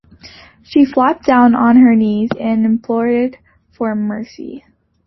She flopped down on her knees, and implored for mercy.